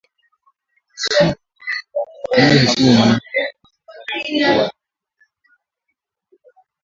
Aliyeheshimu maneno na ahadi zake katika mikutano kadhaa ambayo imefanyika."